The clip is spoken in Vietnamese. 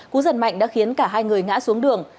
cú giật mạnh đã khiến cả hai người ngã xuống đường